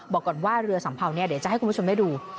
บอกก่อนว่าเรือสัมเภาเนี่ยเดี๋ยวจะให้คุณผู้ชมได้ดู